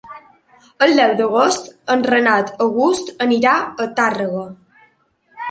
El deu d'agost en Renat August anirà a Tàrrega.